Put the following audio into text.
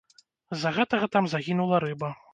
З-за гэтага там загінула рыба.